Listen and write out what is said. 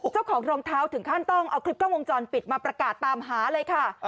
รองเท้าถึงขั้นต้องเอาคลิปกล้องวงจรปิดมาประกาศตามหาเลยค่ะ